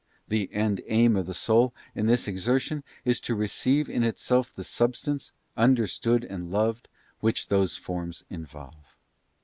The end and aim of the soul in this exertion is to receive in itself the substance, understood and loved, which those forms involve.